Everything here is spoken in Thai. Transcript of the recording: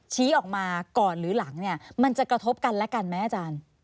ชี้ออกมาก่อนหรือหลังเนี่ยมันจะกระทบกันและกันไหมอาจารย์